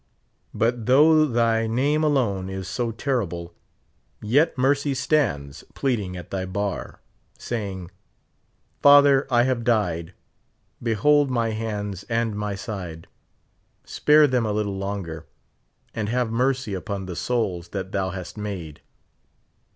But though thy name alone is so terrible, yet Mercy stands pleading at thy bar, say in<T : Father, I have died ; behold my hands and my side. Spare them a little longer, and have mercy upon the souls that thou hast made.